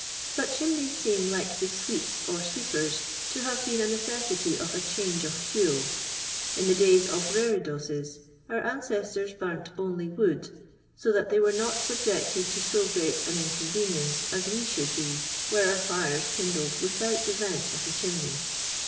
But chimneys seem, like the "sweeps" br '•' sweepers," to hare been a necessity of a change of fuel. In the days of " rere dosses," our an cestors burnt only wood, so tliat they were not subjected to so great an inconvenience as we should be were our fires kindled witliout the vent of the chimney.